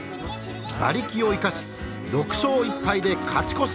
馬力を生かし６勝１敗で勝ち越し。